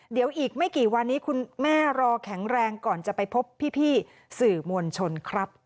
เดี๋ยวอีกไม่กี่วันนี้คุณแม่รอแข็งแรงก่อนจะไปพบพี่สื่อมวลชนครับ